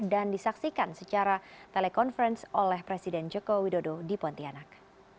dan disaksikan secara telekonferensi oleh presiden joko widodo di pontianak